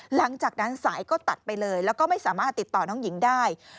หลังจากนั้นสายก็ตัดไปเลยแล้วก็ไม่สามารถติดต่อน้องหญิงได้